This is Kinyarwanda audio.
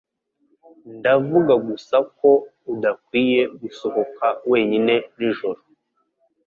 Ndavuga gusa ko udakwiye gusohoka wenyine nijoro.